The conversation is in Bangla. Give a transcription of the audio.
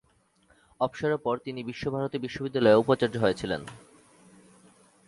অবসরের পর তিনি বিশ্বভারতী বিশ্ববিদ্যালয়ের উপাচার্য হয়ে ছিলেন।